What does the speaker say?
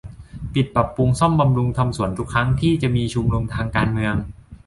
ปิดปรับปรุงซ่อมบำรุงทำสวนทุกครั้งที่จะมีชุมนุมทางการเมือง